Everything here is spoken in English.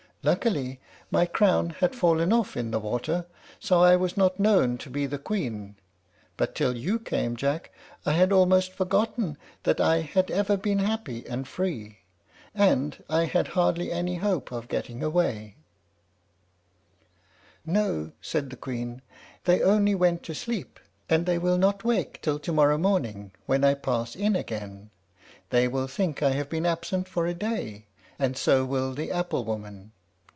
Luckily, my crown had fallen off in the water, so I was not known to be the Queen; but till you came, Jack, I had almost forgotten that I had ever been happy and free, and I had hardly any hope of getting away." "How sorry your people must have been," said Jack, "when they found you did not come home again." "No," said the Queen: "they only went to sleep, and they will not wake till to morrow morning, when I pass in again. They will think I have been absent for a day, and so will the apple woman.